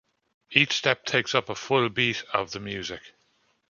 Each step takes up a full beat of the music.